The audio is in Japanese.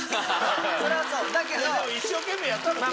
でも一生懸命やったもんね。